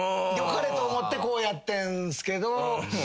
よかれと思ってこうやってんすけど。